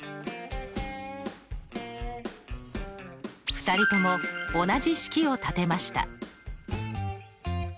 ２人とも同じ式を立てました。